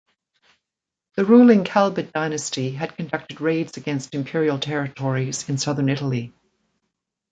The ruling Kalbid dynasty had conducted raids against Imperial territories in southern Italy.